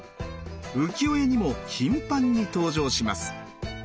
浮世絵にも頻繁に登場します。